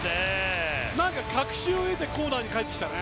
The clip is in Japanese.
確信を得てコーナーに帰ってきたね。